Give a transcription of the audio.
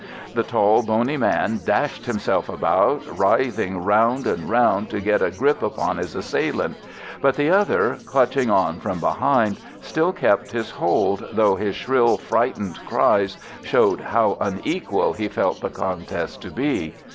The tall, bony man dashed himself about, writhing round and round to get a grip upon his assailant; but the other, clutching on from behind, still kept his hold, though his shrill, frightened cries showed how unequal he felt the contest to be.